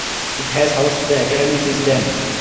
It has housed the Academy since then.